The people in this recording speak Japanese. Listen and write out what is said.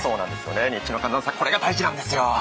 日中の寒暖差これが大事なんですよ。